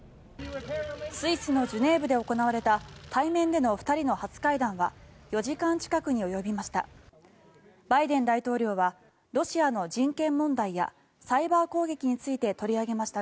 スイスのジュネーブで行われた対面での２人の初会談は４時間近くに及びました。